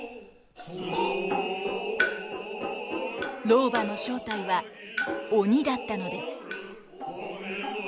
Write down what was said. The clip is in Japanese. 老婆の正体は鬼だったのです。